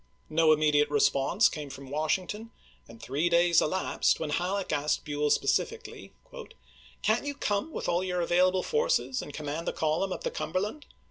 No immediate response came from Wash ington, and three days elapsed when Halleck asked Buell specifically :" Can't you come with all your available forces and command the column up the Cumberland